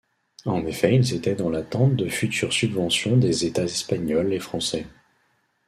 En effet ils étaient dans l'attente de futures subventions des états espagnols et français.